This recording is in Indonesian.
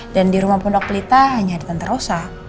dan di rumah pondok pelita hanya ada tante rosa